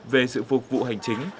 về sự phục vụ hành chính